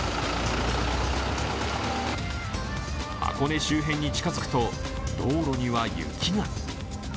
箱根周辺に近付くと道路には雪が。